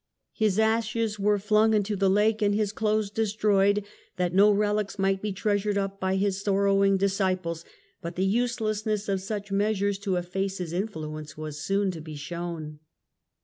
His ashes were flung into the lake and his clothes destroyed, that no relics might be treasured up by his sorrowing disciples, but the uselessness of such measures to efface his influence was soon to be shown.